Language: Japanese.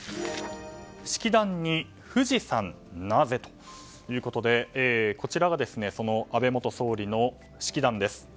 式壇に富士山なぜ？ということでこちらが安倍元総理の式壇です。